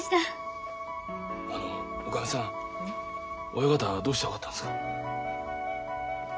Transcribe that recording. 親方はどうして分かったんですか？